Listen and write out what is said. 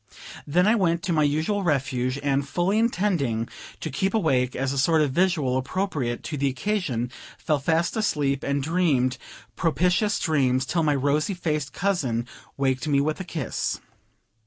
Then I went to my usual refuge, and, fully intending to keep awake, as a sort of vigil appropriate to the occasion, fell fast asleep and dreamed propitious dreams till my rosy faced cousin waked me with a kiss.